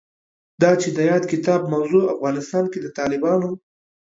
دا چې د یاد کتاب موضوع افغانستان کې د طالبانو